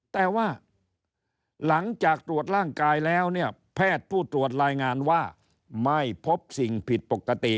แต่ว่าหลังจากตรวจร่างกายแล้วเนี่ยแพทย์ผู้ตรวจรายงานว่าไม่พบสิ่งผิดปกติ